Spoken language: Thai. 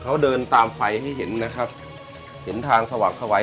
เขาเดินตามไฟให้เห็นนะครับเห็นทางสว่างสวัย